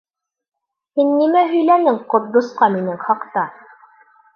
Һин нимә һөйләнең Ҡотдосҡа минең хаҡта?